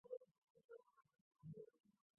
武器包含有两门雷射炮与飞弹。